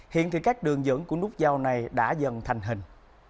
hiện thì các đường dẫn của nút giao này đã dần thành hình